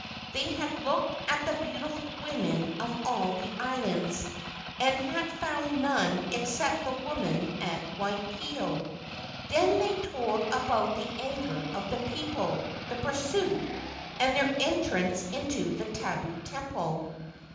They had looked at the beautiful women of all the islands and had found none except the woman at Waipio. Then they told about the anger of the people, the pursuit, and their entrance into the tabu temple.